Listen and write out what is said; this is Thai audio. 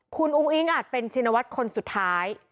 คุณอุ้งอิ๊งอาจเป็นชินวัฒน์คนสุดท้าย